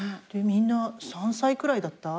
みんな３歳くらいだった？